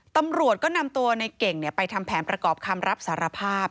ตำรวจก็นำตัวในเก่งไปทำแผนประกอบคำรับสารภาพ